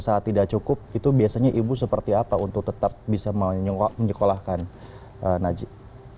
saat tidak cukup itu biasanya ibu seperti apa untuk tetap bisa menyekolahkan najib